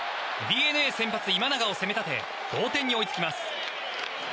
ＤｅＮＡ先発、今永を攻め立て同点に追いつきます。